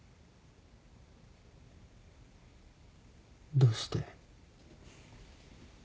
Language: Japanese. どうして？